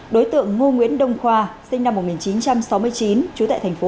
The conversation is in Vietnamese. đối tượng ngô nguyễn đông khoa sinh năm một nghìn chín trăm sáu mươi chín trú tại thành phố